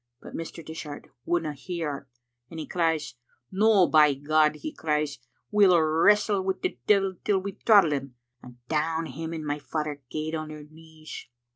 But Mr. Dishart wouldna hear o't, and he cries, *No, by God,* he cries, * we'll wrestle wi' the devil till we throttle him,' and down him and my father gaed on their knees.